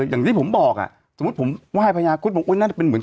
อย่างที่ผมบอกอ่ะสมมุติผมไหว้พญาคมันก็เป็นเหมือน